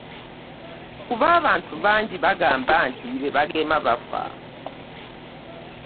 Kuba abantu bangi bagamba nti be bagema bafa